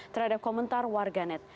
terhadap komentar warganet